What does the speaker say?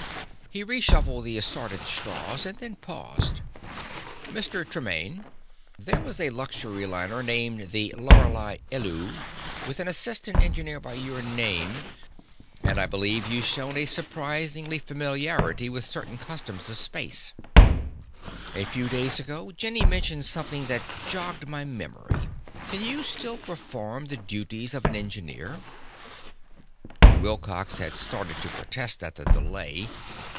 He reshuffled the assorted straws, and then paused. "Mr. Tremaine, there was a luxury liner named the Lauri Ellu with an assistant engineer by your name; and I believe you've shown a surprising familiarity with certain customs of space. A few days ago, Jenny mentioned something that jogged my memory. Can you still perform the duties of an engineer?" Wilcox had started to protest at the delay.